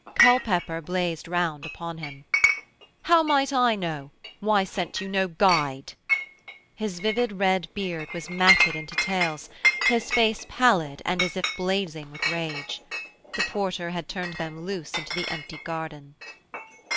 Culpepper blazed round upon him: 'How might I know? Why sent you no guide?' His vivid red beard was matted into tails, his face pallid and as if blazing with rage. The porter had turned them loose into the empty garden.